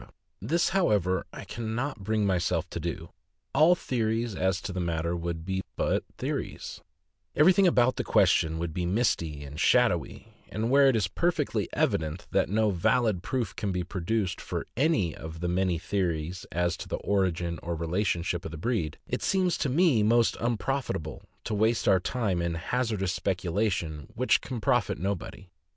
This, however, I can not bring myself to do. All theories as to the matter would be but theories — every thing about the question would be misty and shadowy; and where it is perfectly evident that no valid proof can be produced for any of the many theories as to the origin or relationship, of the breed, it seems to me most unprofitable to waste our time in hazardous speculations which can profit nobody.